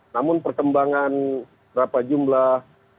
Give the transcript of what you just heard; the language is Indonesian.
namun perkembangan berapa jumlah